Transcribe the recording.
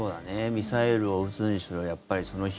ミサイルを撃つにしろやっぱりその日の。